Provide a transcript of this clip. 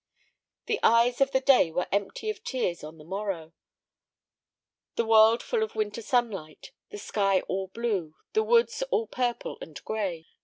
The eyes of the day were empty of tears on the morrow, the world full of winter sunlight, the sky all blue, the woods all purple and gray.